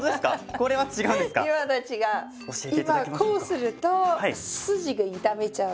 こうすると筋が痛めちゃうから。